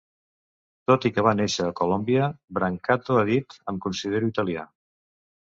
Tot i que va néixer a Colòmbia, Brancato ha dit "Em considero italià".